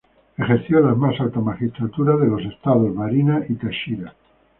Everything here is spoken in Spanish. Ejerció las más altas magistraturas de los estados Barinas y Táchira.